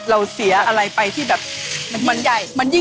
เพราะเรามีพ่อหลวงเป็นที่สุดในดวงใจเหมือนกัน